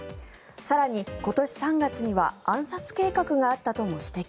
更に、今年３月には暗殺計画があったとも指摘。